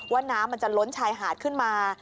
น้ำมันจะล้นชายหาดขึ้นมา